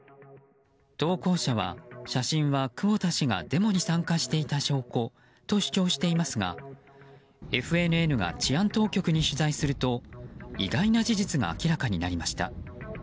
投稿者は写真は久保田氏がデモに参加していた証拠と主張していますがＦＮＮが治安当局に取材すると意外な事実が明らかになりました。